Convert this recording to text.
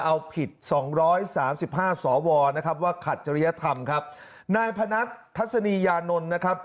เอาผิด๒๓๕สววว่าขัดจริยธรรมครับนายพนักทัศนนี้ยานนลครับ